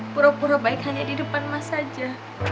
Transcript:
pura pura baik hanya di depan emas saja